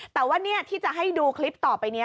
แต่ว่านี่ที่จะให้ดูคลิปต่อไป